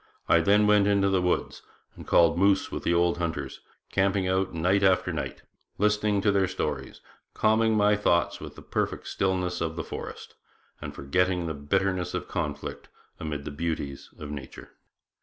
I then went into the woods and called moose with the old hunters, camping out night after night, listening to their stories, calming my thoughts with the perfect stillness of the forest, and forgetting the bitterness of conflict amid the beauties of nature.'